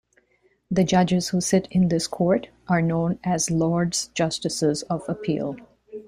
The Judges who sit in this court are known as Lords Justices of Appeal.